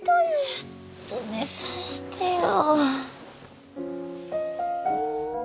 ちょっと寝さしてよ。